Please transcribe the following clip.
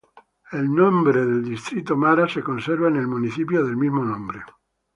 El nombre del distrito Mara se conserva en el municipio del mismo nombre.